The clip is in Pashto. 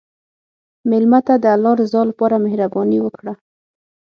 مېلمه ته د الله رضا لپاره مهرباني وکړه.